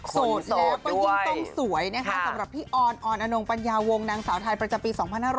โสดแล้วก็ยิ่งต้องสวยนะคะสำหรับพี่ออนออนอนงปัญญาวงนางสาวไทยประจำปี๒๕๖๐